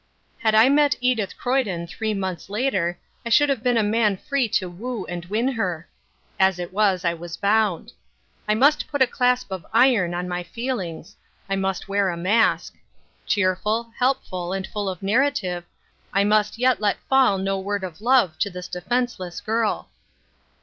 Had I met Edith Croyden three months later I should have been a man free to woo and win her. As it was I was bound. I must put a clasp of iron on my feelings. I must wear a mask. Cheerful, helpful, and full of narrative, I must yet let fall no word of love to this defenceless girl.